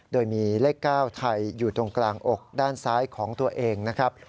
โดยมีเลข๙ไทยอยู่ตรงกลางอกด้านซ้ายของตัวเองนะครับ